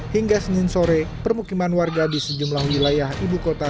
hingga senin sore permukiman warga di sejumlah wilayah ibu kota